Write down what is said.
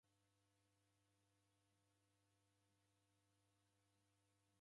Agha matuku ndouendagha ikanisenyi.